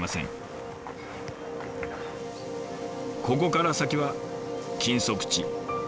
ここから先は禁足地。